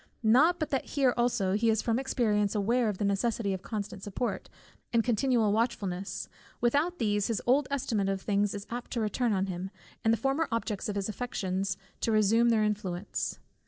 Not but that here also he is from experience aware of the necessity of constant support, and continual watchfulness; without these, his old estimate of things is apt to return on him, and the former objects of his affections to resume their influence.